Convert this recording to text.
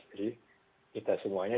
jadi kita semuanya